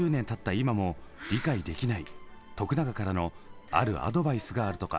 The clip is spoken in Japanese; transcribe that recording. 今も理解できない永からのあるアドバイスがあるとか。